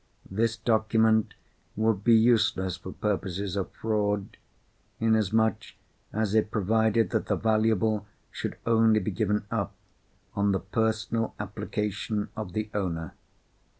This document would be useless for purposes of fraud, inasmuch as it provided that the valuable should only be given up on the personal application of the owner.